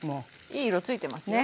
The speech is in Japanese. いい色ついてますよ。